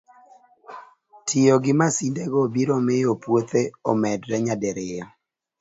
Tiyo gi masindego biro miyo puothe omedre nyadiriyo